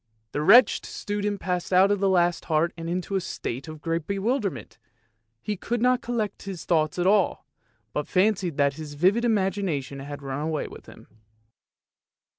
The wretched student passed out of the last heart in a state of great bewilderment, he could not collect his thoughts at all, but fancied that his vivid imagination had run away with him.